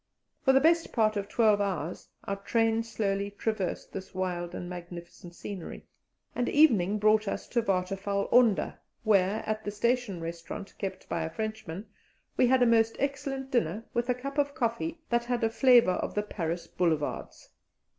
For the best part of twelve hours our train slowly traversed this wild and magnificent scenery, and evening brought us to Waterfall Onder, where, at the station restaurant, kept by a Frenchman, we had a most excellent dinner, with a cup of coffee that had a flavour of the Paris boulevards.